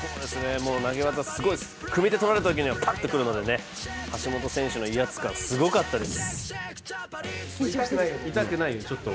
投げ技すごいです、組み手こられたときにはパッと来るのでね、橋本選手の威圧感すごかったです。